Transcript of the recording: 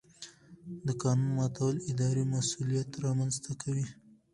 د قانون ماتول اداري مسؤلیت رامنځته کوي.